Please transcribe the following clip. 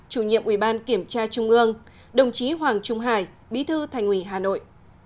chủ nhiệm ủy ban kiểm tra trung ương đồng chí hoàng trung hải bí thư thành ủy hà nội